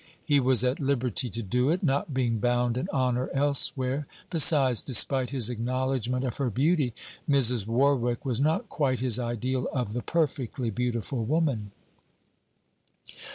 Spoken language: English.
He was at liberty to do it, not being bound in honour elsewhere. Besides, despite his acknowledgement of her beauty, Mrs. Warwick was not quite his ideal of the perfectly beautiful woman.